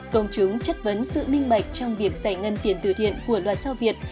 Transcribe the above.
công chúng chất vấn sự minh bạch trong việc giải ngân tiền từ thiện của loạt sao việt